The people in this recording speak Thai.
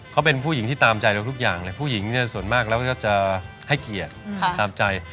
เขาเป็นผู้หญิงที่ตามใจเราทุกอย่างเลยผู้หญิงเนี่ยส่วนมากแล้วก็จะให้เกียรติตามใจ